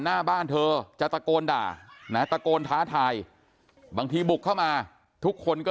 หน้าบ้านเธอจะตะโกนด่านะตะโกนท้าทายบางทีบุกเข้ามาทุกคนก็